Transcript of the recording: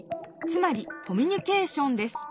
つまり「コミュニケーション」です。